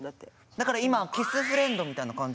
だから今キスフレンドみたいな感じ？